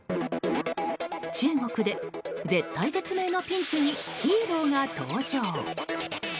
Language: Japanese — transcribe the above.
中国で絶体絶命のピンチにヒーローが登場。